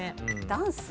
ダンス？